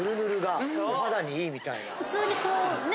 普通にこうね？